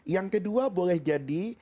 yang kedua boleh jadi